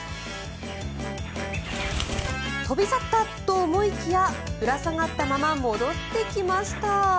飛び去ったと思いきやぶら下がったまま戻ってきました。